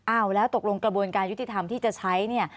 อ้าวแล้วตกลงกระบวนการยุติธรรมที่จะใช้เนี่ย